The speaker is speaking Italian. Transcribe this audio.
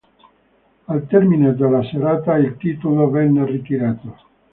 Al termine della serata il titolo venne ritirato.